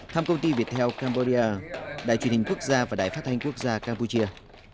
thăm công ty việt theo campuchia đại truyền hình quốc gia và đại phát thanh quốc gia campuchia